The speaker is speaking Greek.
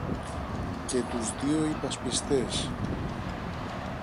και τους δυο υπασπιστές